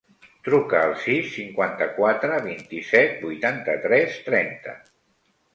Truca al sis, cinquanta-quatre, vint-i-set, vuitanta-tres, trenta.